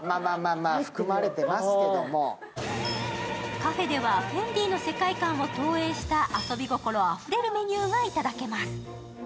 カフェではＦＥＮＤＩの世界観を投影した遊び心あふれるメニューが頂けます。